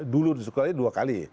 dulu disuruh dua kali